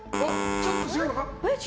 ちょっと違うのか？